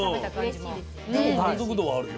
でも満足度はあるよ。